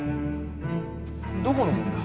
どこのもんだ？